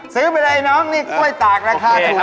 ซื้อไปเลยน้องนี่กรวยตากค่ะ